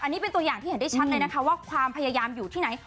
อันนี้เป็นตัวอย่างที่เห็นได้ชัดเลยนะคะว่าความพยายามอยู่ที่ไหน